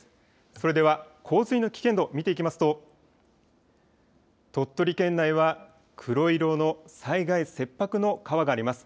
それでは洪水の危険度見ていきますと、鳥取県内は黒色の災害切迫の川があります。